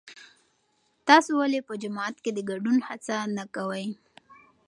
تاسو ولې په جماعت کې د ګډون هڅه نه کوئ؟